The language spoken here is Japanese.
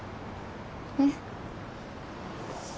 えっ？